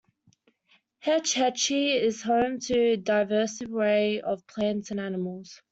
Hetch Hetchy is home to a diverse array of plants and animals.